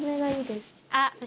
いいですか？